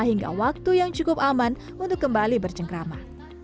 hingga waktu yang cukup aman untuk kembali bercengkrama